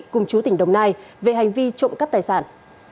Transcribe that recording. cùng chú tỉnh đồng nai về hành vi trộm cắp tài sản